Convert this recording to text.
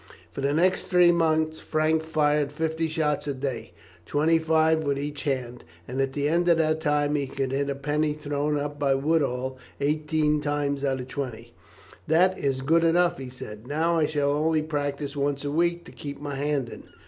For the next three months Frank fired fifty shots a day twenty five with each hand and at the end of that time could hit a penny thrown up by Woodall, eighteen times out of twenty. "That is good enough," he said; "now I shall only practise once a week, to keep my hand in."